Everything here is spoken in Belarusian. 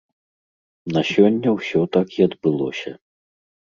На сёння ўсё так і адбылося.